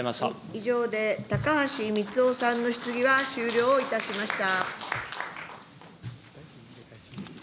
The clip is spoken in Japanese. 以上で高橋光男さんの質疑が終了いたしました。